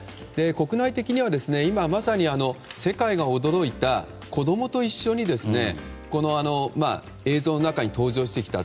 国内的には今まさに、世界が驚いた子供と一緒に映像の中に登場してきた。